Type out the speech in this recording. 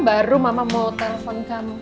baru mama mau telepon kamu